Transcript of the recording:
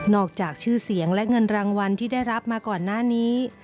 อกจากชื่อเสียงและเงินรางวัลที่ได้รับมาก่อนหน้านี้